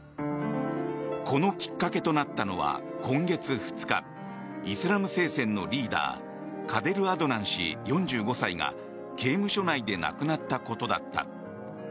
このきっかけとなったのは今月２日イスラム聖戦のリーダーカデル・アドナン氏、４５歳が刑務所内で亡くなったことだった。